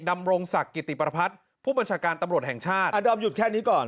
ดำอยุ่นแค่นี้ก่อน